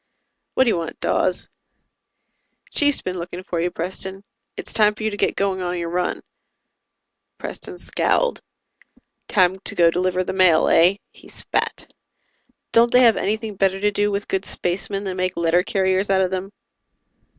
"What do you want, Dawes?" "Chief's been looking for you, Preston. It's time for you to get going on your run." Preston scowled. "Time to go deliver the mail, eh?" He spat. "Don't they have anything better to do with good spacemen than make letter carriers out of them?"